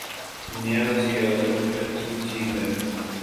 نیا وزیر اعظم مختلف قسم کی چیز ہے۔